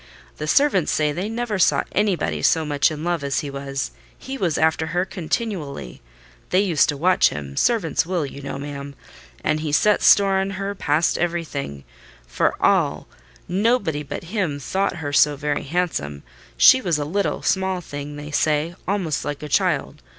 The servants say they never saw anybody so much in love as he was: he was after her continually. They used to watch him—servants will, you know, ma'am—and he set store on her past everything: for all, nobody but him thought her so very handsome. She was a little small thing, they say, almost like a child.